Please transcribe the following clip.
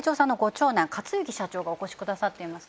長男勝之社長がお越しくださっています